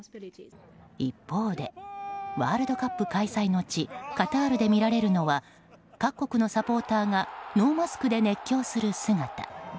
一方でワールドカップ開催の地カタールで見られるのは各国のサポーターがノーマスクで熱狂する姿。